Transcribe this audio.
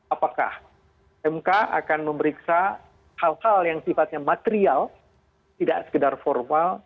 apakah mk akan memeriksa hal hal yang sifatnya material tidak sekedar formal